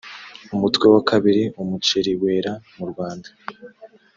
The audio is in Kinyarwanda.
umutwe wa kabiri umuceri wera mu rwanda